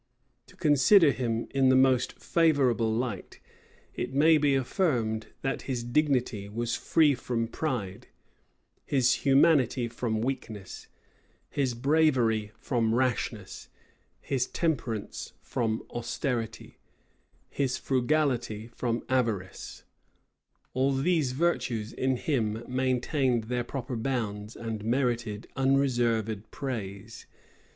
To consider him in the most favorable light, it may be affirmed, that his dignity was free from pride, his humanity from weakness, his bravery from rashness, his temperance from austerity, his frugality from avarice; all these virtues in him maintained their proper bounds, and merited unreserved praise.